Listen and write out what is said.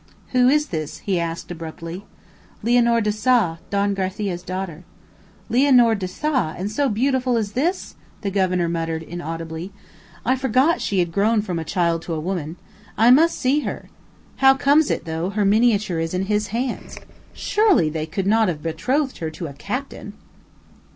"Who is this?" he asked abruptly. "Lianor de Sa, Don Garcia's daughter. "Lianor de Sa, and so beautiful as this!" the governor muttered inaudibly. "I forgot she had grown from a child to a woman; I must see her. How comes 'it, though, her miniature is in his hands? Surely they could not have betrothed her to a captain!"